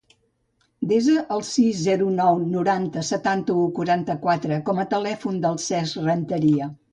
Desa el sis, zero, nou, noranta, setanta-u, quaranta-quatre com a telèfon del Cesc Renteria.